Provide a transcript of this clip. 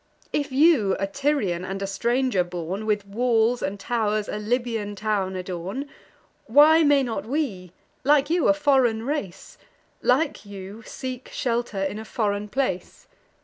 If you, a Tyrian, and a stranger born, With walls and tow'rs a Libyan town adorn, Why may not we, like you, a foreign race, Like you, seek shelter in a foreign place?